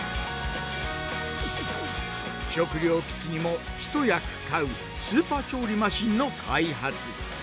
食糧危機にも一役買うスーパー調理マシンの開発。